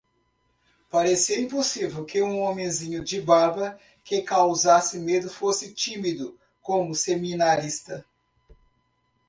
Parecia impossível que um homenzinho de barba que causasse medo fosse tímido como seminarista.